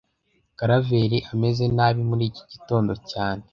Karaveri ameze nabi muri iki gitondo cyane